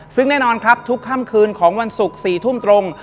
ซึ่งแน่นอนครับทุกค่ำคืนของวันศุกร์๔ทุ่มตรง